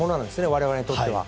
我々にとっては。